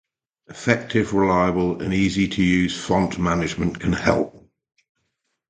Effective, reliable, and easy-to-use font management can help.